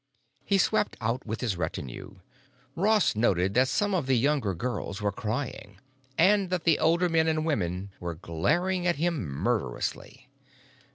He swept out with his retinue. Ross noted that some of the younger girls were crying and that the older men and women were glaring at him murderously.